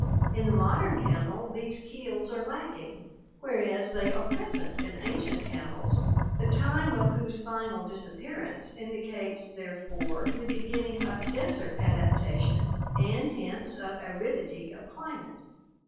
In the modern camel these keels are lacking, whereas they are present in ancient camels, the time of whose final disappearance indicates therefore the beginning of desert adaptation and hence of aridity of climate.